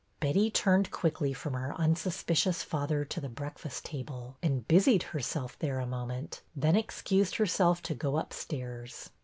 Betty turned quickly from her unsuspicious father to the breakfast table and busied herself there a moment, then excused herself to go up stairs.